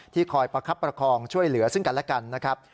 คอยประคับประคองช่วยเหลือซึ่งกันและกันนะครับ